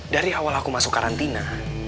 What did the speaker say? dari awal aku masuk karantina